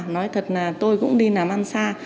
nói thật là tôi cũng đi nằm ăn xa